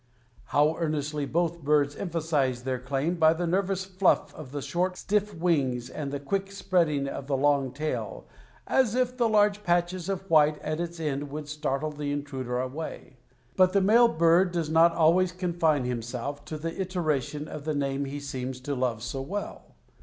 How earnestly both birds emphasize their claim by the nervous fluff of the short, stiff wings and the quick spreading of the long tail, as if the large patches of white at its end would startle the intruder away. But the male bird does not always confine himself to the iteration of the name he seems to love so well.